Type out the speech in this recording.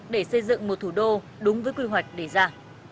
để xây dựng một thủ đô đúng với quy hoạch đề ra